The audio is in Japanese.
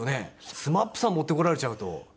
ＳＭＡＰさん持ってこられちゃうと。